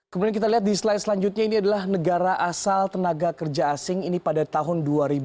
kemudian kita lihat di slide selanjutnya ini adalah negara asal tenaga kerja asing ini pada tahun dua ribu dua puluh